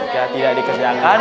jika tidak dikerjakan